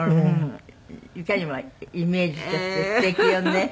いかにもイメージとしてすてきよね。